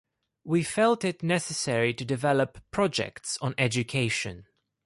We felt it necessary to develop projects on education.